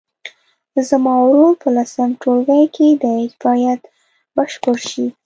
زما ورور په لسم ټولګي کې دی باید بشپړ شي.